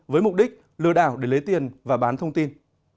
với mục đích lừa đảo để lấy tiền và bán thông tin